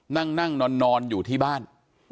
นั่งนั่งนอนอยู่ที่บ้าน